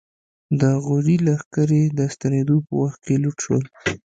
د غوري لښکرې د ستنېدو په وخت کې لوټ شول.